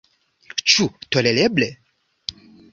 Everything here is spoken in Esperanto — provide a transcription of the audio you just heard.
Ĉu tolereble?